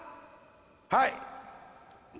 はい。